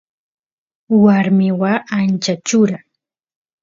warmi waa ancha chura